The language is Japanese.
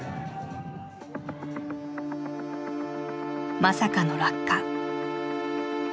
まさかの落下。